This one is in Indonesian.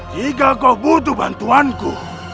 jika kau butuh bantuanku